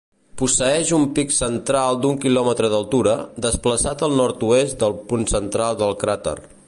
Posseeix un pic central d'un quilòmetre d'altura, desplaçat al nord-oest del punt central del cràter.